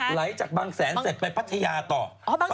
ไหลไปทั้งนั้นใช่ไหมคะ